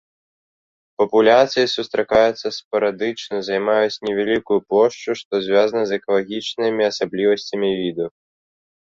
Папуляцыі сустракаюцца спарадычна, займаюць невялікую плошчу, што звязана з экалагічнымі асаблівасцямі віду.